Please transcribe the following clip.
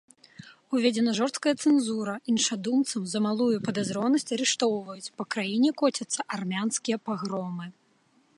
Уведзена жорсткая цэнзура, іншадумцаў за малую падазронасць арыштоўваюць, па краіне коцяцца армянскія пагромы.